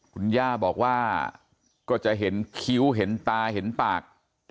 คุณย่าบอกว่าก็จะเห็นคิ้วเห็นตาเห็นปาก